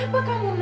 saya baria sekali